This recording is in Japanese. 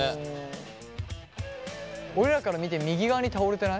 俺らから見て右側に倒れてない？